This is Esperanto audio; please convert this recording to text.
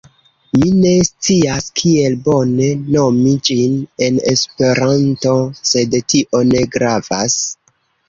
Mi ne scias kiel bone nomi ĝin en Esperanto, sed tio ne gravas.